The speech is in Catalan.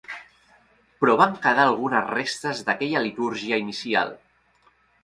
Però van quedar algunes restes d'aquella litúrgia inicial.